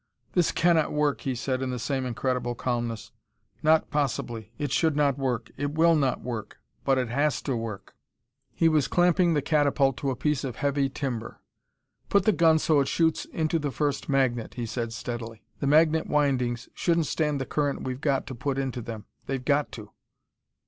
"This cannot work," he said in the same incredible calmness. "Not possibly. It should not work. It will not work. But it has to work!" He was clamping the catapult to a piece of heavy timber. "Put the gun so it shoots into the first magnet," he said steadily. "The magnet windings shouldn't stand the current we've got to put into them. They've got to."